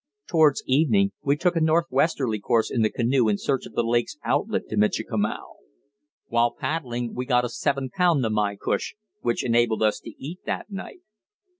Towards evening we took a northwesterly course in the canoe in search of the lake's outlet to Michikamau. While paddling we got a seven pound namaycush, which enabled us to eat that night.